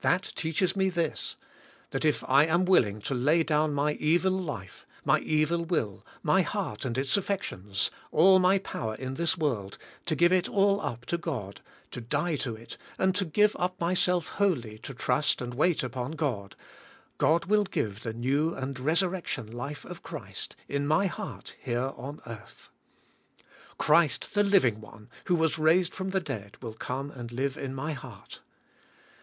That teaches me this: That if I am willing to lay down my evil life, my evil will, my heart and its affections, all my power in this world, to give it all up to God, to die to it, and to give up myself wholly to trust and wait upon God, God will give the new and resurrection life of Christ, in my heart, here on earth. Christ the Liv ing One, who was raised from death, will come and live in my heart.